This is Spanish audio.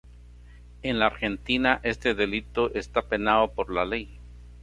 En la Argentina este delito está penado por la ley.